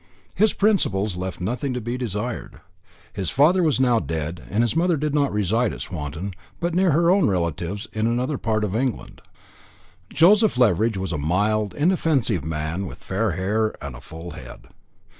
His principles left nothing to be desired. His father was now dead, and his mother did not reside at Swanton, but near her own relations in another part of England. Joseph Leveridge was a mild, inoffensive man, with fair hair and a full head.